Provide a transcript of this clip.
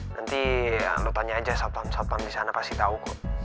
nanti lo tanya aja satpam satpam di sana pasti tau ko